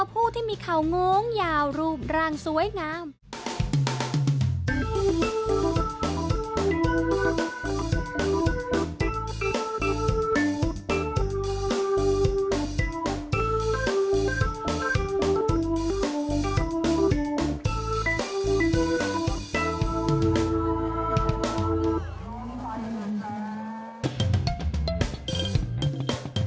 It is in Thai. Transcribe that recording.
โปรดติดตามตอนต่อไป